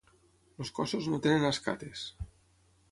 Els cossos no tenen escates.